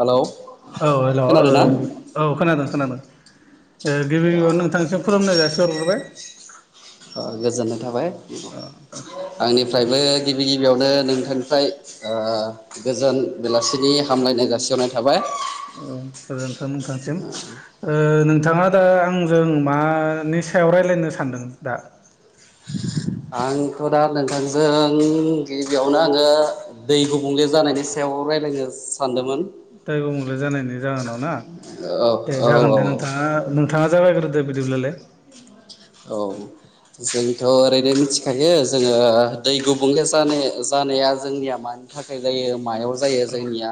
हेल'। औ हेल' ओ औ खोनादों-खोनादों। ओ गिबि-गिबियावनो नोंथांसिम खुलुमनाय जासिहरग्रोबाय। ओ गोजोननाय थाबाय ओ आंनिफ्रायबो गिबि-गिबियावनो नोंथांनिफ्राय ओ गोजोन बेलासिनि हामलायनाय जासिहरनाय थाबाय। ओ गोजोन्थों नोंथांनिसिम ओ नों थाङा दा आंजों मानि सायाव रायज्लायनो सानदों दा? आंथ' दा नोंथांजों गिबियावनो आङो दै गुबुंले जानायनि सायाव रायलायनो सानदों। दै गुबुंले जानायनि जाहोनाव ना औ दे औ जागोन औ दे औ नोंथाङा नों थाङा जागायग्रोदो बिदिब्लालाय। औ जोंथ' ओरैनो मिथिखायो जोङो दै गुबुंले जानो जा नाया जोंनिया मानि थाखाय जायो होनबा मायाव जायो औ जोंनिया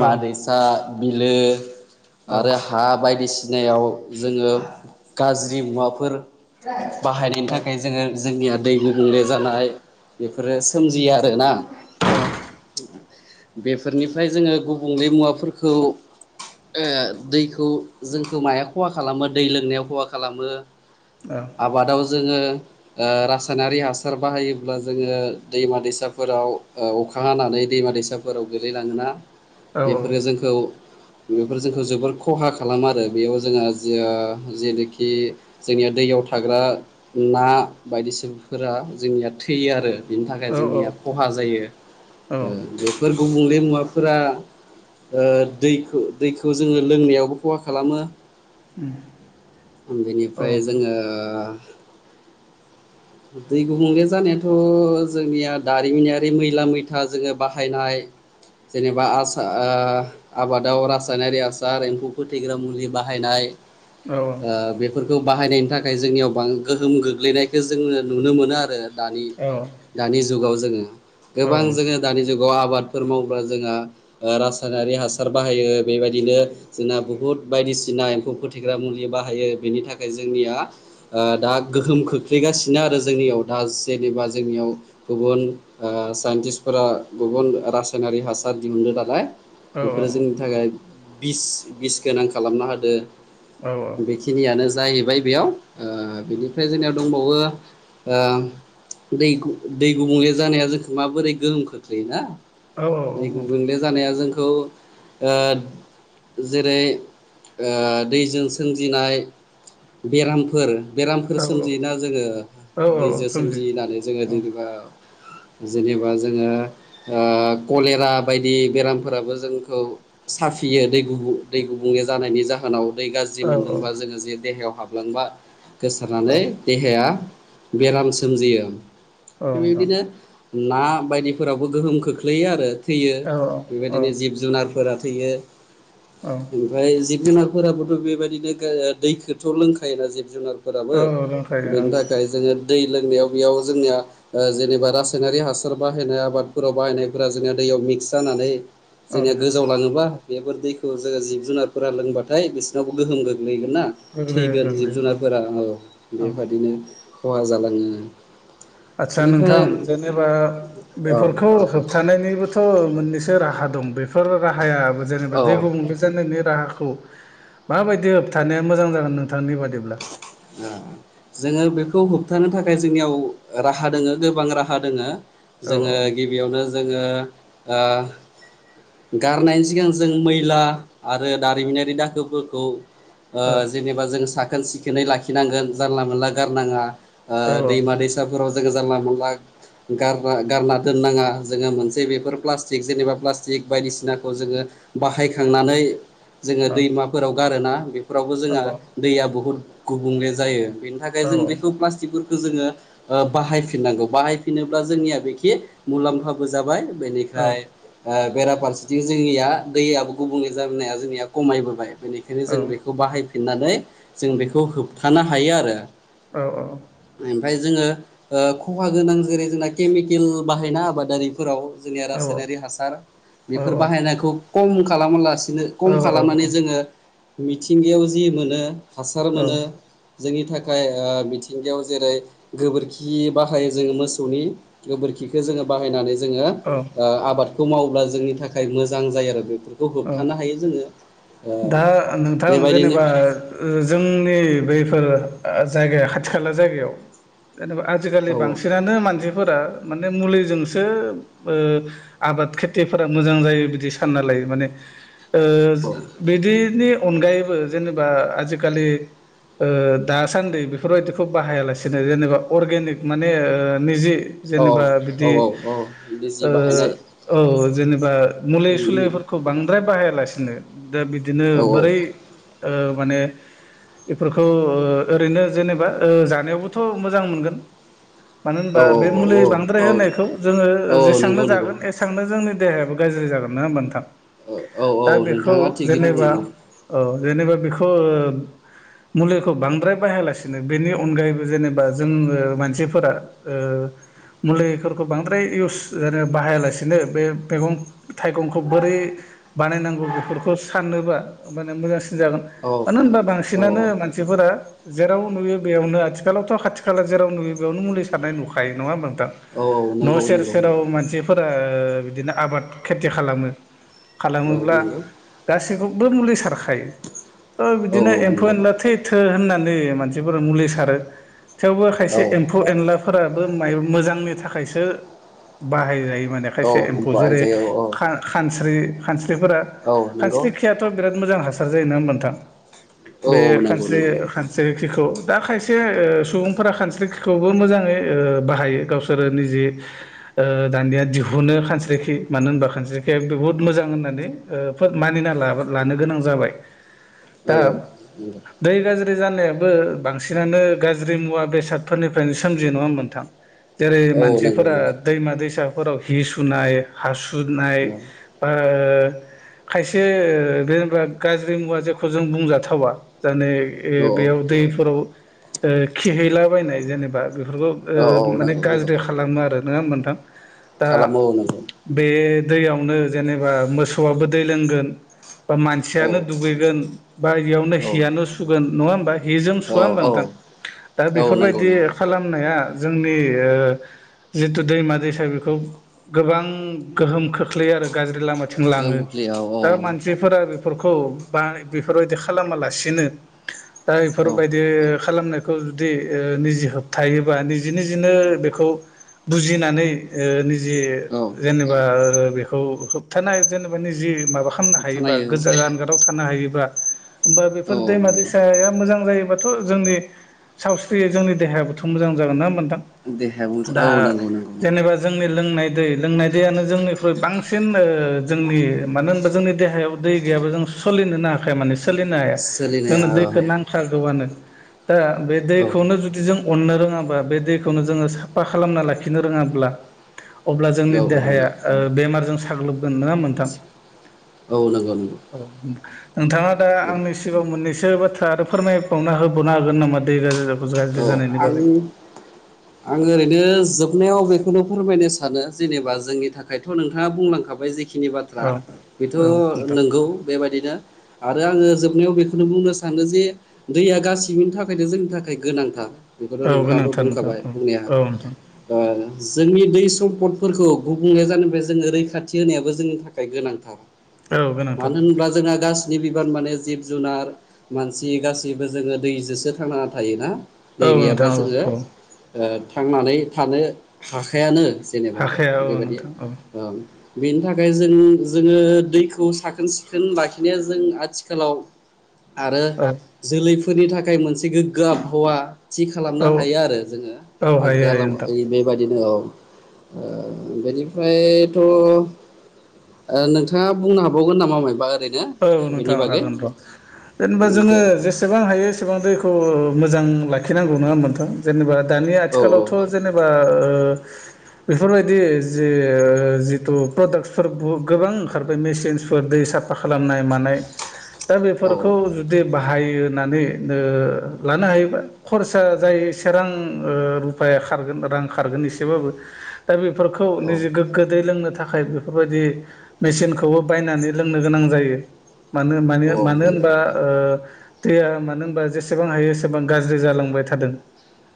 औ बिलो औ आरो हा बायदिसिनायाव जोङो गाज्रि मुवाफोर बाहायनायनि थाखाय जोङो जोंनिया दै गुबुंले जानाय बेफोरो सोमजियो आ रो ना बेफोरनिफ्राय जोङो गुबुंले मुवाफोरखौ ए दैखौ जोंखौ माया खहा खालामो दै लोंनायाव खहा खालामो औ आबादाव जोङो ओ रासायनारि हासार बाहायोब्ला जोङो दैमा-दैसाफोराव ओ अखा हानानै दैमा-दैसाफोराव गोग्लैलाङोना औ बेफोरो जोंखौ बेफोर जोंखौ जोबोर खहा खालामो आरो बेयाव जोंहा जा जेनोखि जोंनिया दैयाव थाग्रा ना बायदिसिनाफोरा जोंनिया थैयो आरो बिनि थाखाय औ जोंनिया खहा जायो औ ओ बेफोर गुबुंले मुवाफोरा ओ दैखौ-दैखौ जोङो लोंनायावबो खहा खालामो। उम औ बेनिफ्राय नोंथां जोङो दै गुबुंले जानायाथ' जोंनिया दारिमिनयारि मैला-मैथा जोङो बाहायनाय जेनेबा आसा आ आबादाव रासायनारि हासार एम्फौ फोथैग्रा मुलि बाहायनाय औ ओ बेफोरखौ बाहायनायनि थाखाय जोंनियाव बां गोहोम गोग्लैनायखौ जोङो नुनो मोनो आरो औ दानि-दानि जुगाव जोङो गोबां जोङो दानि जुगाव आबाद फोर मावओबा जोंहा रासायनारि हासार बाहायो बेबायदिनो जोंना बुहुत बायदिसिना बायसिना एम्फौ फोथैग्रा मुलि बाहायो बेनि थाखाय जोंनिया ओ दा गोहोम खो खोख्लैगासिनो आरो जोंनियाव दा जेनेबा जोंनियाव गुबुन साइन्टिस्टफोरा गुबुन गुबुन रासायनारि हासार दिहुनदों नालाय औ बेफोरो जोंनि थाखाय बिस बिस गोनां खालामना होदो औ औ बेखिनियानो जाहैबाय बेयाव ओ बेनिफ्राय जोंनियाव दंबावओ ओ दै गु दै गुबुंले जानाया जोंखौ माबोरै गोहोम खोख्लैयोना औ दै गुबुंले जानाया जोंखौ ओ जेरै ओ दैजों सोमजिनाय बेरामफोर बेरामफोर औ सोमजियोना जोङो औ दैजो सोमजियो होननानै जोङो औ जेनेबा जेनेबा जोङो ओ कलेरा बायदि बेरामफोराबो जोंखौ साफ फियो दै गुबु दै गुबुंले जानायनि जाहोनाव दै गाज्रि औ मोनलोंबा जोङो जे देहायाव हाबलांबा औ गोसारनानै [unintelligible] बेराम सोमजियो औ नोंथां [unintelligible] ना बायदिफोरावबो गोहोम खोख्लैयो आरो थैयो औ बेबायदिनो औ जिब जुनारफोरा थैयो औ ओमफ्राय जिब जुनार फोराबोथ' बेबायदिनो गा ओ दैखोथ' लोंखायोना जिब जुनारफोराबो औ रोंखायो बेनि औ थाखाय जोंङो दै लोंनायाव बेयाव जोंनिया ओ जेनेबा रासायनारि हासार बाहायनाय आबादफोराव बाहायनायफोरा जोंनिया दै बेयाव मिक्स जानानै औ जोंनिया गोजाव लाङोबा बेफोर दैखौ जोङो जिब जुनारफोरा लोंबाथाय बिसोरनावबो गोहोम गो लैगोन ना गोग्लैयो थैगोन जिब गोग्लैयो जुनारफोरा औ औ बेबादिनो खहा जालाङो आदसा बेनिफ्राय नोंथां जेनेबा औ बेफोरखौ होबथानायनिबो थ थ' मोननैसो राहा दं बेफोर राहायाबो जेनेबा दै औ गुबुंले जानायनि राहाखौ माबायदि होबथानाया मोजां जागोन नोंथांनि बादिब्ला आह जोङो बेखौ होबथानो थाखाय जोंनियाव राहा दोङो गोबां राहा दोङो औ जोङो गिबियावनो जोङो ओ गारनायनि सिगां जों मैला आरो दारिमिनारि दाखोरफोरखौ औ ओ जेनेबा जों साखोन सिखोनै लाखिनांगोन जानला मोनला गारनाङा ओ दैमा औ दैसाफोराव जोङो जानला मोनला गारना गारना दोननाङा जोङो मोनसे बेफोर प्लास्टिक जेनेबा प्लास्टिक बायदिसिनाखौ जोङो बाहायखांनानै जोङो दैमाफोराव गारोना बेफोरावबो औ जोंहा दैया बहुद गुबुंले जायो। बेनि थाखाय जों औ बेखौ प्लास्टिकफोर खो जोङो ओ बाहायफिननांगौ बाहायफिनोब्ला जोंनिया बेखि मुलाम्फाबो जाबाय औ बेनिफ्राय ओ बेराफारसेथिं जोंनिया दैयाबो गुबुंले जाबोनाया जोंनिया कमायबोबाय बेनिखायनो जों बेखौ बाहायफिननानै जों बेखौ होबथानो हायो आरो। औ औ ओमफाय जोङो ओ खहा गोनां जेरै जोंना केमिकेल बाहायोना आबादारिफोराव जोंनिया औ औ रासायनारि हासार औ बेफोर बाहायनायखौ कम खालामालास सिनो कम खालामनानै जोङो मिथिंगायाव जि मोनो हा [unintelligible] हासार औ मोनो जोंनि थाख खाय ओ मिथिंगायाव जेरै गोबोरखि बाहायो जोङो मोसौनि गोबोरखिखो जोङो बाहायनानै जोङो औ ओ आबादखौ मावोब्ला जोंनि थाखाय मोजां जायो आरो बे औ दा नोंथां बेबायदिनो जेनेबा ओ जों नि बेफोर ओ जायगायाव खाथि खाला जायगायाव जेनेबा आजिखालि औ बांसिनानो मानसि फोरा माने मुलिजोंसो ओ आबाद खेथिफोरा मोजां जायो बिदि सानना लायो माने ओ ज बिदिनि अनगायैबो जेनेबा आजिकालि ओ दासान्दि बेफोरबायदिखौ बाहायालासेनो जेनेबा अर्गेनिक माने ओ निजि औ जेनेबा औ बिदि औ औ बिजि ओ बाहायनाय औ जेनेबा औ मुुलि औ सुुलिफोरखौ बांद्राय बाहायालासिनो दा बिदिनो बोरै ओ माने बेफोरखौ ओ ओरैनो जेनेबा ओ जानायावबोथ' मोजां मोनगोन मानो होनबा बे मुलि औ बांद्राय होनायखौ जोङो औ जेसांनो नंगौ नंगौ जागोन एसांनो जोंनि देहायाबो गाज्रि जागोन नोङा होमबा नोंथां? औ औ औ दा बेखौ नोंथाङा थिगैनो जेनेबा बुंदों औ जेनेबा बेखौ ओ [inaudible] मुलिखौ बांद्राय बाहायालासिनो बेनि अनगायैबो जेनेबा जोङो मानसिफोरा ओ मुलिफोरखौ बांद्राय इउस बाहायालासिनो बे मैगं थाइगंखौ बोरै बानायनांगौ बेफोरखौ साननोबा माने मोजांसि जागोन औ मानो होनबा औ बांसिनानो मानसिफोरा जेराव नुयो बेयावनो आथिखालावथ' खाथि खाला जेराव नुयो बेयावनो मुलि सारानाय नुखायो नङा होमबा? औ [unintelligible] न' नंगौ सेर नंगौ सेराव नंगौ मानसिफोरा ओ बिदिनो आबाद खेथि खालामो औ खालामोब्ला नंगौ गासैखौबो मुलि सारखा ओ औ बिदिनो एम्फौ एनला नंगौ थैथो होननानै मानसिफोरा मुलि सारो थेवबो खायसे एम्फौ एनलाफोराबो माइ मोजांनि थाखायसो बाहाय जायो माने औ खायसे एम्फौ बाहाय जेरै जायो औ खा खानस्रि खानस्रि फोरा औ नंगौ खानस्रि ख्रियाथ' बिराद मोजां हासार जायो नङा होमबा नोंथां? औ बे औ नंगौ खानस्रि नंगौ खानस्रि खिखौ दा खायसे ओ सुबुंफोरा खानस्रिखिखौबो मोजाङै ओ बाहायो गावसोरो निजे ओ दानिया दिहुनो खानस्रिखि मानो होनबा खानस्रि बहुत औ मोजां होननानै ओ मानिना लानो गोनां जाबाय औ दा दै गाज्रि जानायाबो बांसिनानो गाज्रि मुवा बेसादफोरनिफ्रायनो सोमजियो नङा होमबा नोंथां जेरै औ नंगौ मानसिफोरा नंगौ दैमा दैसाफोराव हि सुनाय हासुनाय ओ खायसे जेनेबा गाज्रि मुवा जेखौ जों बुंजाथावा [unintelligible] औ ए बेयाव दैफोराव ओ खिहैलाबायनाय जेनेबा बेफोरखौ ओ औ औ माने नंगौ नंगौ गाज्रि खालामो आरो नङा होमबा नोंथां दा खालामो औ नंगौ बे दैयावनो जेनेबा मोसौआबो दै लोंगोन बा औ मानसियानो दुगैगोन बा एयावनो औ हियानो सुगोन नङा हिजों सुवा होमबा औ औ नोंथां दा औ नंगौ बेफोरबायदि नंगौ खालामनाया जोंनि ओ जिथु दैमा दैसा बेखौ गोबां गोहोम खोख्लैयो आरो गाज्रि लामाथिं गोहोम लाङो खोख्लैयो औ दा मानसिफोरा फोरखौ बा बेफोरबायदि खालामालासिनो दा औ बेफोरबायदि खालामनायखौ जुदि ओ निजि होबथायोबा निजि निजिनो बेखौ बुजिनानै ओ जि औ औ जेनेबा बेखौ होबथानाय जेनेबा निजि माबा खालामनो हायोबा खोनायो गोजा जानगाराव थानो हायोबा होमबा औ बेफोर औ दैमा नंगौ दैसाया मोजां जायोबाथ जोंनि सावस्रि जोंनि देहायाबोथ' मोजां जागोन ना देहाया मोजां दा औ नंगौ नंगौ नंगौ जेनेबा जोंनि लोंनाय दै लोंनाय दैयानो जोंनिख्रुइ बां बांसिन ओ जोंनि मानो होनबा जोंनि देहायाव दै गैयाबा जों सोलिनोनो हाखाया माने सोलिनो हाया सोलिनाया जोंनो औ दैखौ औ नांथारगौआनो दा बे दैखौनो औ जुदि जों अननो रोङाबा बे दैखौनो जोङो साफा खालामना लाखिनो रोङाब्ला अब्ला जोंनि औ नंगौ देहाया ओ बेमारजों साग्लोबगोन नङा होमबा नोंथां? औ नंगौ नंगौ औ नोंथाङा दा आंनि सिगांआव मोननैसो बाथ्रा आरो फोरमायबावना होबावनो हागोन नामा दैे [unintelligible] औ आं आं ओरैनो जो जोबनायाव बेखौनो फोरमायनो सानो जेनेबा जोंनि थाखायथ' नोंथाङा बुंलांखाबाय जि खिनि बाथ्रा औ बेथ' औ नोंथां नंगौ बेबायदि या आरो आङो जोबनायाव बेखौनो बुंनो सानो जे दैया गासिनि थाखायबो जोंनिबो थाख ओइ गोनांथार खौथ' औ नोंथाङाबो गोनांथार नोंथां बुंखाबाय बुंनाया औ औ नोंथां ओ जोंनि दै सम्पद फोरखौ गुबुंले जानोफाय जोङो रैखाथि होनायाबो जोंनि थाखाय गोनांथार औ गोनांथार मानो होनब्ला जोंहा गास नि बिबार माने जिब जुनार मानसि गासैबो जोङो दैजोसो थांना थायोना दै औ गैयाबा नोंथां औ जोङो औ ओ थांनानै थानो हाखायानो जेनेबा हाखाया औ बेबायदि नोंथां औ ओम बेन थाखाय जों जोङो दैखौ साखोन सिखोन लाखिनाया जों आथिखालाव आरो औ जोलैफोरनि थाखाय मोनसे गोग्गो आभ्वा थि औ खालामनो हायो आरो जोङो हायो गोग्गो हायो आलाम नोंथां औ बेबायदिनो औ ओ बेनिफ्रायथ' ओ नोंथाङा बुंनो हाबावगोन नामा मायबा ओरैनो औ बेनि नोंथां बागै हागोन र' जेनबा जोङो दे जेसेबां हायो एसेबां दैखौ मोजां लाखिनांगौ नङा ओनबा नोंथां जेनेबा दानि औ आथिखालावथ' जेनेबा ओ बेफोरबायदि जे--जितु प्रडाक्सफोरबो गोबां ओंखारबाय मेसिन सु दै सा खालामनाय मानाय दा औ बेफोरखौ जुदि बा हायो नानै नो ओ लानो हायोबा खरसा जाय सोरां ओ रुपाया खारगोन रां खारगोन इसेबो दा बेफ फोरखौ औ निजि गोग्गो दै लोंनो थाखाय बेफोरबायदि मेसिनखौबो बायनानै लों नो गोनां जायो मानो मानि औ औ मानो नंगौ होनबा ओ दैया मानो होनबा जेसेबां हायो एसेबां गाज्रि जालांबाय थादों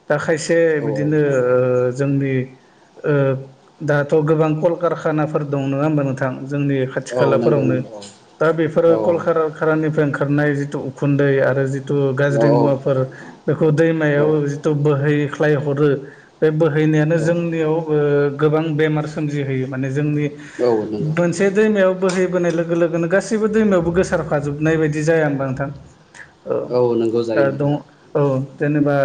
दा खायसे औ बिदिनो ओ जोंनि ओ दाथ' गोबां कलकारखानाफोर दं नोङा ओनबा नोंथां जोंनि खाथि औ नंगौ खालाफोरावनो नंगौ दा बेफोरो औ कलखार खाराफोरनिफ्राय ओंखा खारनाय जितु उखुन्दै आरो जित तु औ गाज्रि मुवाफोर बेखौ दैमायाव जितु बोहैख्लाय हरो बे बोहैनायानो जोंनियाव ओ गोबां बेमार सोमजिहोयो माने जोंनि औ नंगौ मोनसे दैमायाव बोहैबोनाय लोग लोगोनो गासैबो दैमायावबो गोसारफाजोबनाय बायदि जाया होनबा नोंथां? ओ औ नंगौ जायो आरो दं नंगौ औ जेनेबा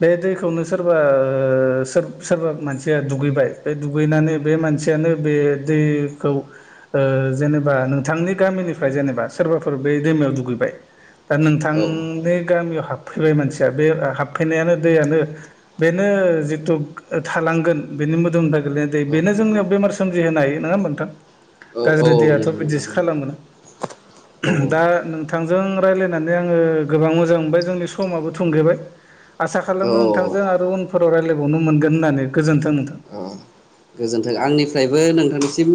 बे दैखौनो सोरबा--ओ सो-सोरबा मानसिया दुगैबाय बे दुगै नानै बे मानसियानो बे दै-खौ ओ जेनेबा नों थांनि गामिनिफ्राय जेनेबा सोरबाफोर बे दैमायाव दुगैबाय दा औ नोंथांनि गामियाव हाब फैबाय मानसिया बे हाबफैनायानो दैयानो बेनो जितु ओ थालांगोन बे नि मोदोमनिफ्राय गोलैनाय दै औ बेनो जोंनियाव बेमार सोमजि होनो हायो नङा होनबा नोंथां? औ औ गाज्रि दैयाथ' नंगौ नोंथां बिदिसो खा खालामो औ दा नोंथां जों रायलायनानै आङो गोबां मोजां मोनबाय जोंनि समाबो थुंगेबाय आसा औ खालामो औ नोंथांजों आरो उनफोराव रायलायबावनो मोनगोन होननानै गोजोन्थों नोंथां अओ गोजोन्थों आंनिफ्रायबो नोंथांनिसिम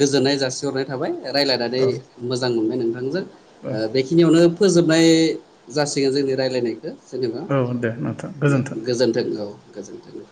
गोजोननाय जासिहरनाय थाबाय रायलायनानै औ मोजां मोनबाय नोंथांजों ओ बेखिनियावनो फोजोब नाय जासिगोन जोंनि रायलायनायखो जेनेबा औ औ दे नोंथां दे गोजोन्थों औ गोजोनथों